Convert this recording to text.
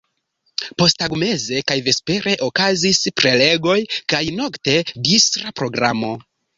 Posttagmeze kaj vespere okazis prelegoj kaj nokte distra programo.